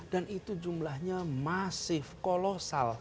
dan itu jumlahnya masif kolosal